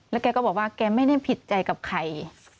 และแกก็บอกว่าแกไม่พิษใจกับใคร